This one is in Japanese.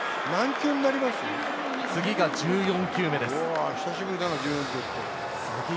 次が１４球目です。